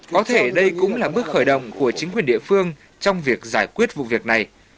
có thể đây cũng là bước khởi động của chính quyền địa phương trong việc giải quyết vụ việc này